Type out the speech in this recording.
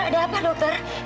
dokter ada apa dokter